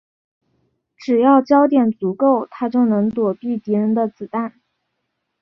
只要焦点足够她就能躲避敌人的子弹。